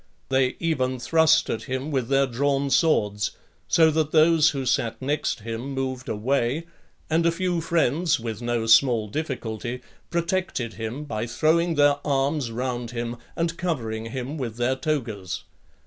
They even thrust at him with their drawn swords, so that those who sat next him moved away; (10) and a few friends, with no small difficulty, protected him, by throwing their arms round him, and covering him with their togas.